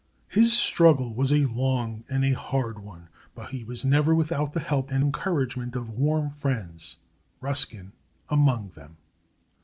His struggle was a long one and a hard one; but he was never without the help and encouragement of warm friends, Ruskin among them.